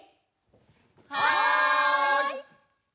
はい！